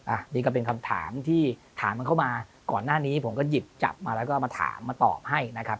อันนี้ก็เป็นคำถามที่ถามกันเข้ามาก่อนหน้านี้ผมก็หยิบจับมาแล้วก็มาถามมาตอบให้นะครับ